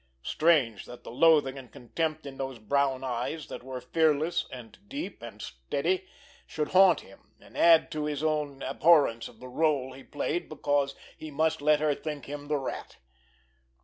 Strange that the loathing and contempt in those brown eyes, that were fearless and deep and steady, should haunt him, and add to his own abhorrence of the rôle he played because he must let her think him the Rat!